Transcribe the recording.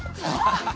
ハハハハ！